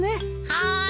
はい。